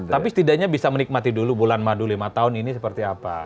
tapi setidaknya bisa menikmati dulu bulan madu lima tahun ini seperti apa